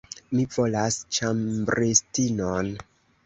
Mi volas ĉambristinon.